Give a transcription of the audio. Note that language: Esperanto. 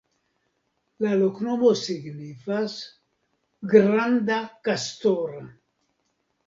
La loknomo signifas: granda-kastora.